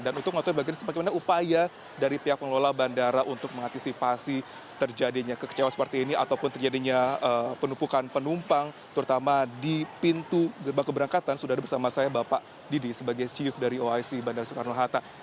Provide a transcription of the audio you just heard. dan untuk mengatakan bagaimana upaya dari pihak pengelola bandara untuk mengantisipasi terjadinya kekecewaan seperti ini ataupun terjadinya penumpukan penumpang terutama di pintu gerbang keberangkatan sudah ada bersama saya bapak didi sebagai chief dari oic bandara soekarno hatta